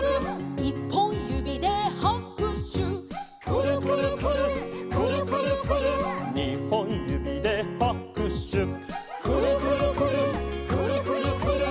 「にほんゆびではくしゅ」「くるくるくるっくるくるくるっ」「さんぼんゆびではくしゅ」「くるくるくるっくるくるくるっ」